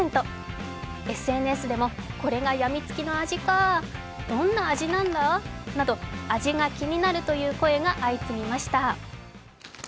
ＳＮＳでも、これがやみつきの味か、どんな味なんだ？など、味が気になるという声が相次ぎました。